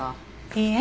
いいえ。